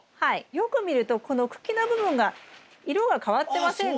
よく見るとこの茎の部分が色が変わってませんか？